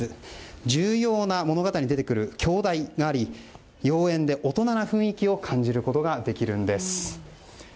重要な物語に出てくる鏡台があり妖艶で大人な雰囲気を感じることができるんです。